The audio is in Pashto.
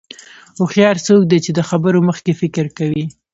هوښیار څوک دی چې د خبرو مخکې فکر کوي.